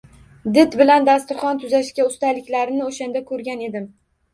Did bilan dasturxon tuzashga ustaliklarini o’shanda ko’rgan edim.